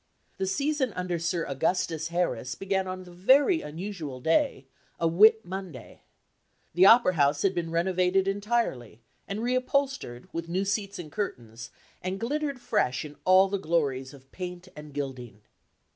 The season under Sir Augustus Harris began on the very unusual day a Whit Monday. The opera house had been renovated entirely and re upholstered, with new seats and curtains, and glittered fresh in all the glories of paint and gilding.